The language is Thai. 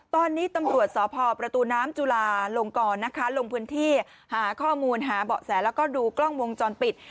ตอนนี้ตำรวจสพประตูน้ำจุลาลงกรนะคะลงพื้นที่หาข้อมูลหาเบาะแสแล้วก็ดูกล้องวงจรปิด